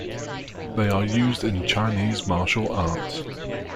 They are used in Chinese martial arts.